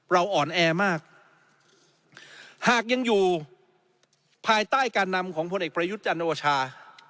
อ่อนแอมากหากยังอยู่ภายใต้การนำของพลเอกประยุทธ์จันโอชา